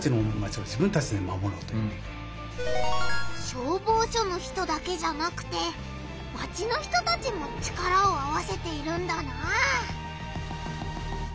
消防署の人だけじゃなくてマチの人たちも力を合わせているんだなあ。